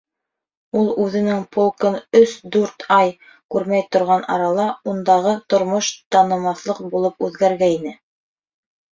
Ул үҙенең полкын өс-дүрт ай күрмәй торған арала ундағы тормош танымаҫлыҡ булып үҙгәргәйне.